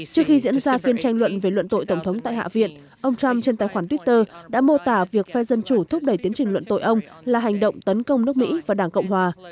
trước khi diễn ra phiên tranh luận về luận tội tổng thống tại hạ viện ông trump trên tài khoản twitter đã mô tả việc phe dân chủ thúc đẩy tiến trình luận tội ông là hành động tấn công nước mỹ và đảng cộng hòa